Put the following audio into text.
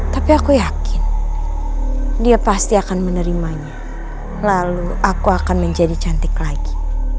tapi aku yakin dia pasti akan menerimanya lalu aku akan menjadi cantik lagi